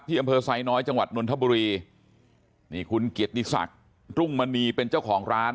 อำเภอไซน้อยจังหวัดนนทบุรีนี่คุณเกียรติศักดิ์รุ่งมณีเป็นเจ้าของร้าน